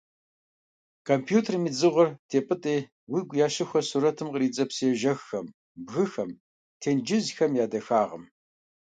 Компьютерым и «дзыгъуэр» тепӀытӀи, уигу ящыхуэ сурэтым къридзэ псыежэххэм, бгыхэм, тенджызхэм я дахагъым.